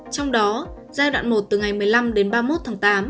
trong đó giai đoạn một từ ngày một mươi năm đến ba mươi một tháng tám